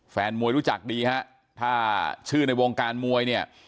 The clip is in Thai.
แฟนมวยรู้จักดีฮะถ้าชื่อในวงการมวยเนี่ย